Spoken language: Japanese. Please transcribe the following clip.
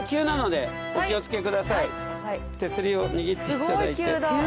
手すりを握っていただいて。